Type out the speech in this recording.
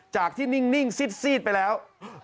จากที่นิ่งซีดไปแล้ว